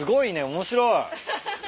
面白い。